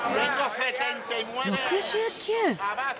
６９！